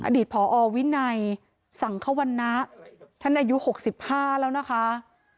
ผอวินัยสังควรรณะท่านอายุ๖๕แล้วนะคะ